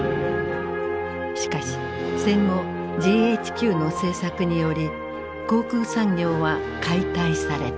しかし戦後ＧＨＱの政策により航空産業は解体された。